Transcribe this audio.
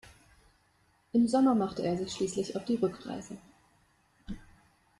Im Sommer machte er sich schließlich auf die Rückreise.